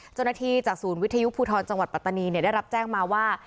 จุดนาทีจากศูนย์วิทยุภูทรจังหวัดปัตตานีเนี้ยได้รับแจ้งมาว่า